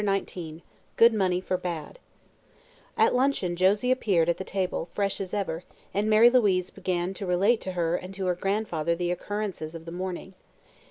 CHAPTER XIX GOOD MONEY FOR BAD At luncheon Josie appeared at the table, fresh as ever, and Mary Louise began to relate to her and to her grandfather the occurrences of the morning.